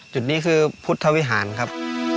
จุดนี้คือพุทธวิหารครับ